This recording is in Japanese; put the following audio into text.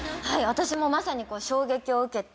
私もまさに衝撃を受けて。